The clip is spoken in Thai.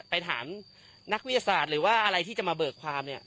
ไปถามพวกงานนักวิทยาศาสตร์หรืออะไรที่จะมาเบิกความ